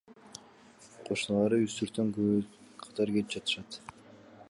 Кошуналары үстүртөн күбө катары кетип жатышат.